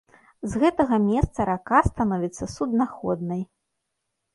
З гэтага месца рака становіцца суднаходнай.